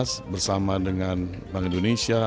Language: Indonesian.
bersama dengan bank indonesia